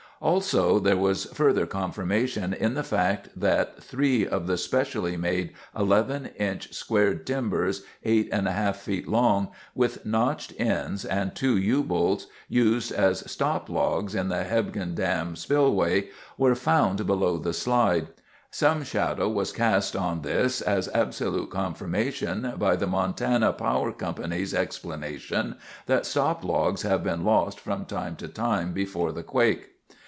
Also, there was further confirmation in the fact that three of the especially made 11 inch squared timbers, eight and a half feet long, with notched ends and two U bolts used as stop logs in the Hebgen Dam spillway were found below the slide. Some shadow was cast on this as absolute confirmation by the Montana Power Co.'s explanation that stop logs have been lost from time to time before the quake.